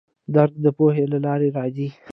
درک د پوهې له لارې راځي.